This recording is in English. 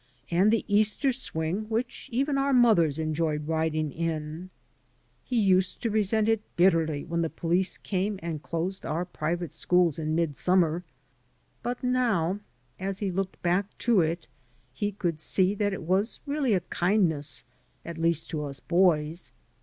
And the Easter swing which ev^n our mothers enjoyed riding in? He used to resent it bitterly when the police came and closed our private schook in mid summer; but now as he looked back to it he could see that it was really a kindness, at least to us boys.